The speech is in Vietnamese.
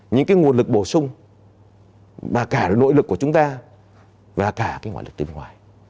những cái nguồn lực bổ sung và cả nội lực của chúng ta và cả cái ngoại lực từ ngoài